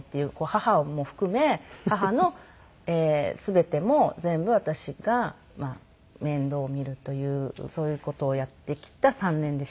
母も含め母の全ても全部私が面倒を見るというそういう事をやってきた３年でしたね。